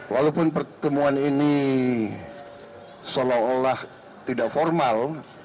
walaupun pertemuan ini seolah olah tidak formal